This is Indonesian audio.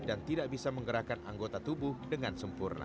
dan tidak bisa menggerakkan anggota tubuh dengan sempurna